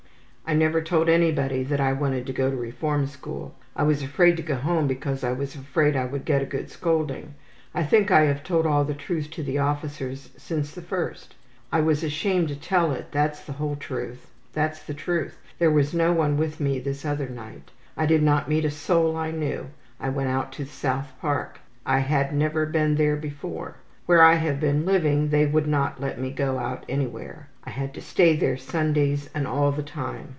I never told anybody that I wanted to go to the reform school. I was afraid to go home because I was afraid I would get a good scolding. I think I have told all the truth to the officers since the first. I was ashamed to tell it, that's the whole truth. That's the truth, there was no one with me this other night. I did not meet a soul I knew. I went out to the South Park. I had never been there before. Where I have been living they would not let me go out anywhere. I had to stay there Sundays and all the time.